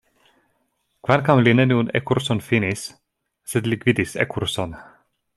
Kvankam li neniun E-kurson finis, sed li gvidis E-kurson.